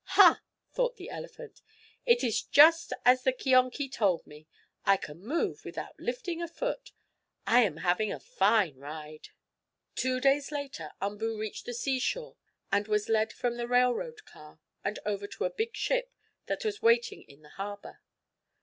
"Ha!" thought the elephant. "It's just as the keonkie told me, I can move without lifting a foot! I am having a fine ride!" Two days later Umboo reached the seashore and was led from the railroad car, and over to a big ship that was waiting in the harbor.